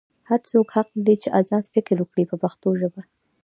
هر څوک حق لري چې ازاد فکر وکړي په پښتو ژبه.